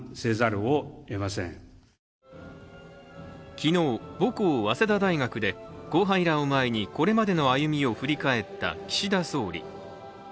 昨日、母校・早稲田大学で後輩らを前にこれまでの歩みを振り返った岸田総理。